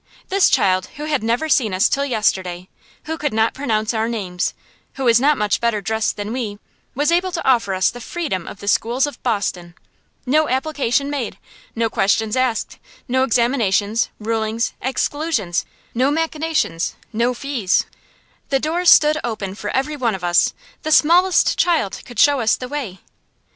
This child, who had never seen us till yesterday, who could not pronounce our names, who was not much better dressed than we, was able to offer us the freedom of the schools of Boston! No application made, no questions asked, no examinations, rulings, exclusions; no machinations, no fees. The doors stood open for every one of us. The smallest child could show us the way.